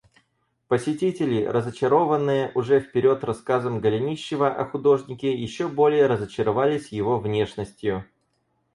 Посетители, разочарованные уже вперед рассказом Голенищева о художнике, еще более разочаровались его внешностью.